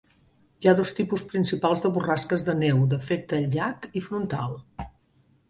Hi ha dos tipus principals de borrasques de neu, d'efecte llac i frontal.